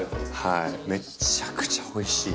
はいめちゃくちゃおいしい。